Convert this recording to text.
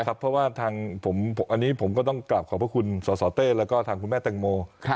เพราะว่าอันนี้ผมก็ต้องกลับขอบพระคุณสสเต้แล้วก็ทางคุณแม่แตงโม